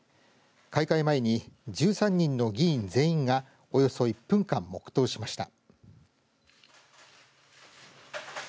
開会前に１３人の議員全員がおよそ１分間、黙とうしました。